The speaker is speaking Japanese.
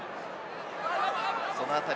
そのあたり